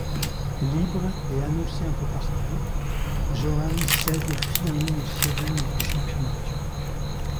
Libre et annoncé un peu partout, Johan cède finalement aux sirènes du championnat turc.